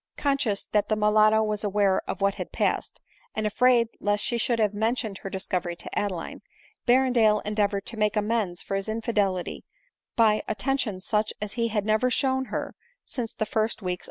Conscious that the mulatto was aware of what had passed, and afraid lest she should have mentioned her discovery to Adeline, Berrendale endeavored to make amends for his infidelity by^atten tion such as he had never shown her since the first weeks